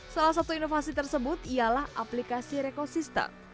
salah satu inovasi tersebut ialah aplikasi rekosistem